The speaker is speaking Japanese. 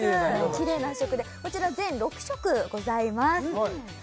キレイな発色でこちら全６色ございます